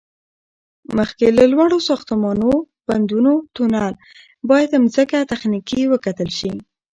مخکې له لوړو ساختمانو، بندونو، تونل، باید ځمکه تخنیکی وکتل شي